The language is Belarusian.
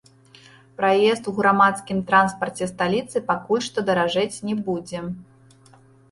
Праезд у грамадскім транспарце сталіцы пакуль што даражэць не будзе.